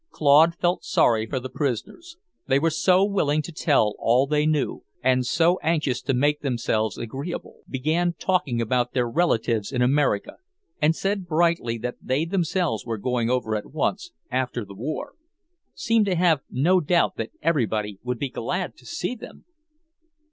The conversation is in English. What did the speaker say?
Claude felt sorry for the prisoners; they were so willing to tell all they knew, and so anxious to make themselves agreeable; began talking about their relatives in America, and said brightly that they themselves were going over at once, after the war seemed to have no doubt that everybody would be glad to see them!